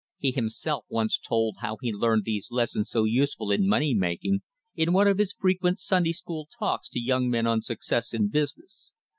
He himself once told how he learned these lessons so useful in money making, in one of his frequent Sunday school talks to young men on success in business.